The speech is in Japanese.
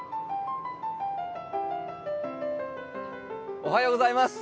おはようございます。